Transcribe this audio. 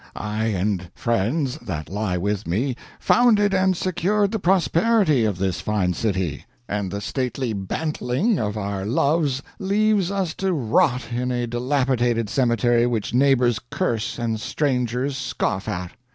I and friends that lie with me founded and secured the prosperity of this fine city, and the stately bantling of our loves leaves us to rot in a dilapidated cemetery which neighbors curse and strangers scoff at.